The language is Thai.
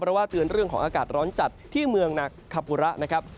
เพราะว่าเตือนเรื่องของอากาศร้อนจัดที่เมืองหนักคาปุระนะครับ